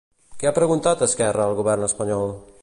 Què ha preguntat Esquerra al govern espanyol?